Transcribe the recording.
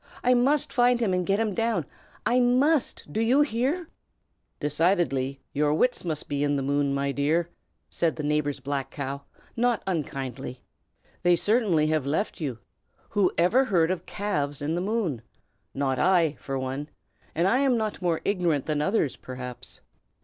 "I must find him and get him down. I must, do you hear?" "Decidedly, your wits must be in the moon, my dear," said the neighbor's black cow, not unkindly. "They certainly have left you. Who ever heard of calves in the moon? Not I, for one; and I am not more ignorant than others, perhaps."